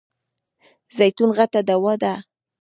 زیتون غټه دوا ده .